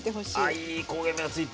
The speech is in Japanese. あいい焦げ目がついて。